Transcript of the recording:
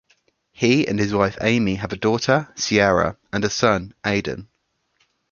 He and his wife Amy have a daughter, Ciara, and a son, Aidan.